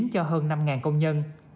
cho hơn năm công nhân